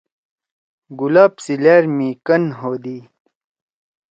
گلاب سی لأر می کن ہودی۔